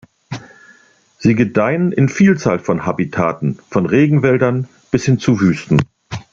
Sie gedeihen in Vielzahl von Habitaten von Regenwäldern bis hin zu Wüsten.